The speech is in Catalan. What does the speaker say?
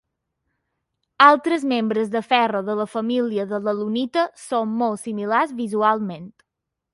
Altres membres de ferro de la família de l'alunita són molt similars visualment.